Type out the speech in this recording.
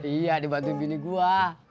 iya dibantuin bini gua